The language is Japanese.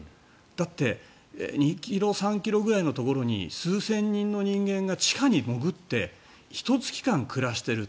だって２ｋｍ、３ｋｍのところに数千人の人間が地下に潜ってひと月間、暮らしている。